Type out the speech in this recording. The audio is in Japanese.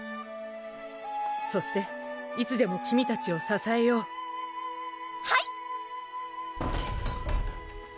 そしていつでも君たちをささえようはい！